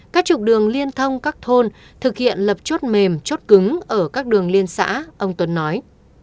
các trục đường liên thông các thôn thực hiện lập chốt mềm chốt cứng ở các đường liên xã ông tuấn nói